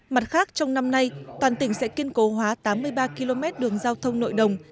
mặt khác trong năm nay toàn tỉnh sẽ kiên cố hóa tám mươi ba km đường giao thông nội đồng